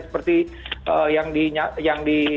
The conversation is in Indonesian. seperti yang di apa namanya disampaikan